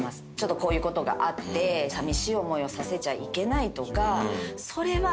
こういうことあってさみしい思いをさせちゃいけないとかそれはいけないんですよ